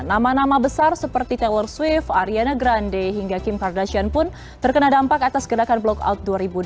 nama nama besar seperti taylor swift ariana grande hingga kim kardashian pun terkena dampak atas gerakan blockout dua ribu dua puluh empat